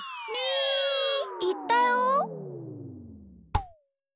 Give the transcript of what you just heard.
ーいったよ！